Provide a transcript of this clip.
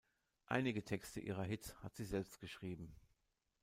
Einige Texte ihrer Hits hat sie selbst geschrieben.